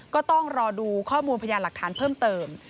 ก็ต้องรอดูข้อมูลพยานหลักฐานเพิ่มเติม